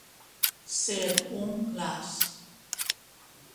Ser un glaç.